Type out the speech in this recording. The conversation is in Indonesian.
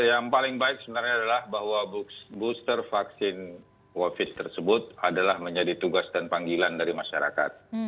yang paling baik sebenarnya adalah bahwa booster vaksin covid tersebut adalah menjadi tugas dan panggilan dari masyarakat